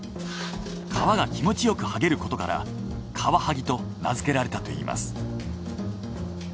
皮が気持ちよく剥げることからカワハギと名付けられたといいます。